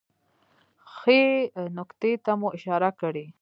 ښې نکتې ته مو اشاره کړې